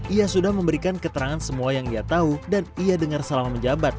ia sudah memberikan keterangan semua yang ia tahu dan ia dengar selama menjabat